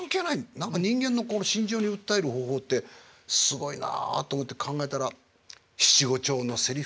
何か人間の心情に訴える方法ってすごいなっと思って考えたら七五調のセリフ。